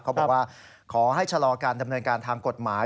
เขาบอกว่าขอให้ชะลอการดำเนินการทางกฎหมาย